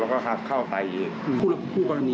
เขาก็ยังไม่รับผิดชอบจนว่าคุณยุงก็ช่วย